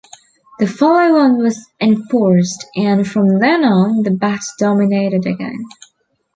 The follow-on was enforced, and from then on the bat dominated again.